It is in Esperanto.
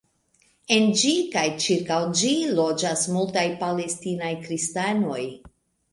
En ĝi kaj ĉirkaŭ ĝi loĝas multaj palestinaj kristanoj.